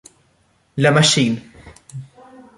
La Machine